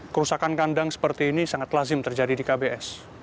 kerusakan kandang seperti ini sangat lazim terjadi di kbs